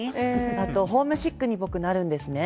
あとホームシックに僕なるんですね。